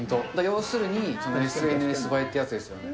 要するにＳＮＳ映えってやつですよね。